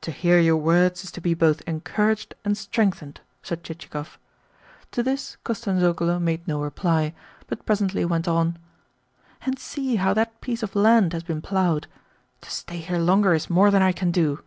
"To hear your words is to be both encouraged and strengthened," said Chichikov. To this Kostanzhoglo made no reply, but presently went on: "And see how that piece of land has been ploughed! To stay here longer is more than I can do.